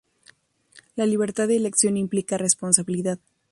La libertad de elección implica responsabilidad.